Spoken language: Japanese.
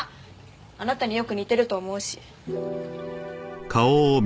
あなたによく似てると思うし。